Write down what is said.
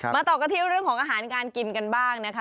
ต่อกันที่เรื่องของอาหารการกินกันบ้างนะคะ